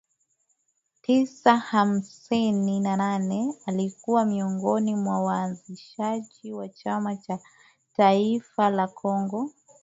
tisa hamsini na nane alikuwa miongoni mwa waanzishaji wa Chama cha Taifa la Kongo